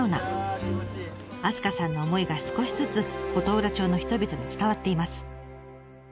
明日香さんの思いが少しずつ琴浦町の人々に伝わっています。